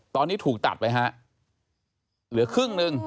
ตอนนี้ถูกตัดไปฮะเหลือครึ่งหนึ่ง